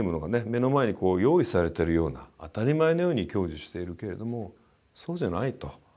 目の前に用意されてるような当たり前のように享受しているけれどもそうじゃないと。